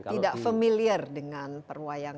tidak familiar dengan perwayangan